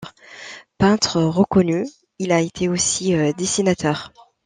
Peintre reconnu, il a été aussi dessinateur.